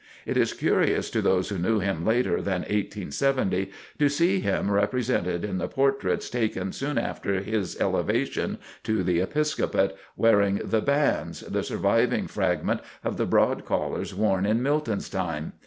It is curious to those who knew him later than 1870, to see him represented in the portraits taken soon after his elevation to the Episcopate, wearing the "bands," the surviving fragment of the broad collars worn in Milton's time.